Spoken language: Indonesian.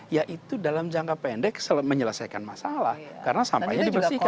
yaitu dalam jangka pendek menyelesaikan masalah karena sampahnya dibersihkan